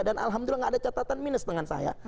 dan alhamdulillah nggak ada catatan minus dengan saya